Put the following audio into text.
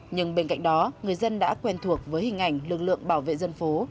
nhưng bên cạnh đó người dân đã quen thuộc với hình ảnh lực lượng bảo vệ dân phố